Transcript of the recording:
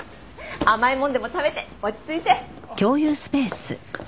甘いものでも食べて落ち着いて。